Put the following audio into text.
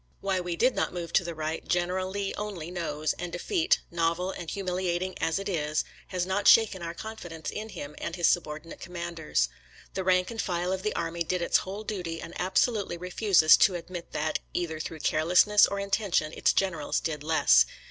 Why we did not move to the right, General Lee only knows, and defeat — novel and humiliat ing as it is — has not shaken our confidence in him and his subordinate commanders. The rank and file of the army did its whole duty and ab solutely refuses to admit that, either through carelessness or intention, its generals did less.